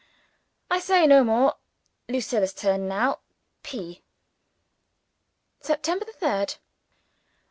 I say no more: Lucilla's turn now. P.] September 3rd.